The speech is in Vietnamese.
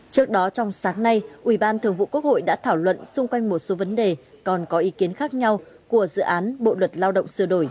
trước đó trong sáng nay ubthq đã thảo luận xung quanh một số vấn đề còn có ý kiến khác nhau của dự án bộ luật lao động